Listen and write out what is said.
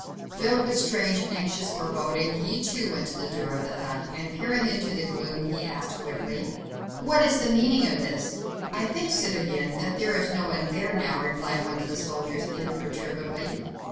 Filled with strange, anxious foreboding, he, too, went to the door of the hut, and peering into the gloom, he asked quickly,— "What is the meaning of this?" "I think, citoyen, that there is no one there now," replied one of the soldiers imperturbably.